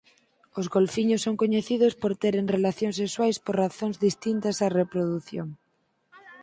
Os golfiños son coñecidos por teren relacións sexuais por razóns distintas á reprodución.